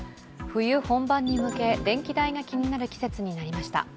冬本番に向け、電気代が気になる季節になりました。